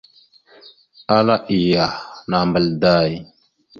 Ala iyah, nambal day !